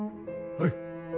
はい。